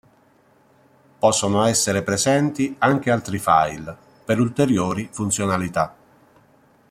Possono essere presenti anche altri file, per ulteriori funzionalità.